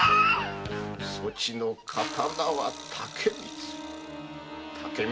そちの刀は竹光。